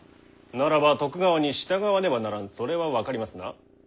ならば徳川に従わねばならんそれは分かりますな？